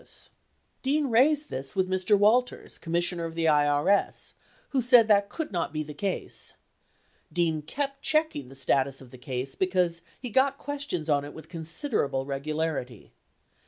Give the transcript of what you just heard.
1207 Dean raised this with Mr. Walters (Commissioner of the IRS) who said that could not be the case. Dean kept checking the status of the case, because he "got questions on it with considerable regularity."